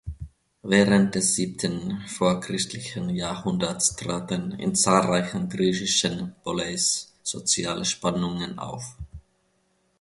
Während des siebten vorchristlichen Jahrhunderts traten in zahlreichen griechischen Poleis soziale Spannungen auf.